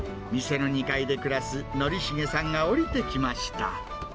店の２階で暮らす徳重さんが下りてきました。